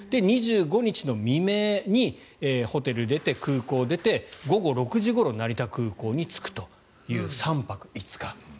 ２５日の未明にホテルを出て、空港を出て午後６時ごろ成田空港に着くという３泊５日。